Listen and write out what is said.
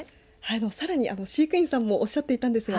さらに飼育員さんもおっしゃっていたんですが